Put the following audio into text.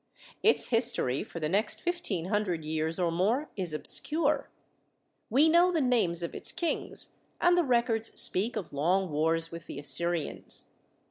Its history for the next fifteen hundred years or more is ob scure. We know the names of its kings, and the records speak of long wars with the Assyrians.